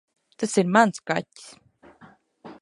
Tas ir mans kaķis.